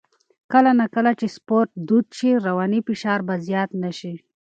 کله نا کله چې سپورت دود شي، رواني فشار به زیات نه شي.